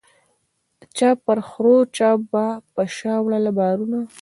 چا پر خرو چا به په شا وړله بارونه